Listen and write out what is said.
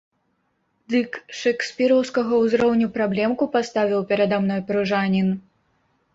Дык шэкспіраўскага ўзроўню праблемку паставіў перада мной пружанін!